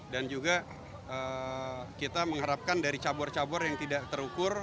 dan juga kita mengharapkan dari cabur cabur yang tidak terukur